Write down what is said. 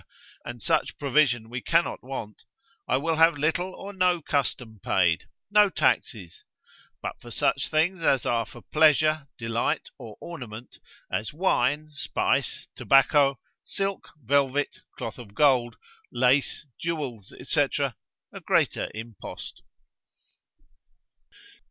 and such provision we cannot want, I will have little or no custom paid, no taxes; but for such things as are for pleasure, delight, or ornament, as wine, spice, tobacco, silk, velvet, cloth of gold, lace, jewels, &c., a greater impost.